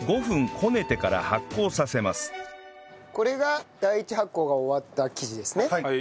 これが第１発酵が終わった生地ですね。